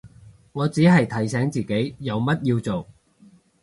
我只係提醒自己有乜要做